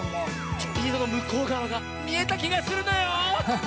スピードのむこうがわがみえたきがするのよ！